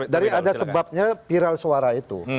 dari ada sebabnya viral suara itu